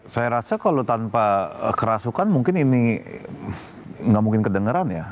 saya rasa kalau tanpa kerasukan mungkin ini nggak mungkin kedengeran ya